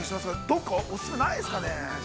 どこかおすすめないですかね。